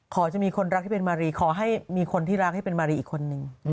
จะมีคนรักที่เป็นมารีขอให้มีคนที่รักให้เป็นมารีอีกคนนึง